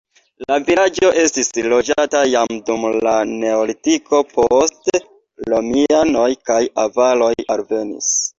La vilaĝo estis loĝata jam dum la neolitiko, poste romianoj kaj avaroj alvenis.